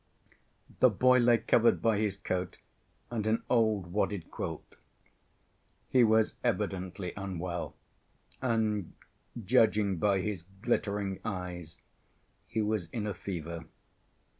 The boy lay covered by his coat and an old wadded quilt. He was evidently unwell, and, judging by his glittering eyes, he was in a fever.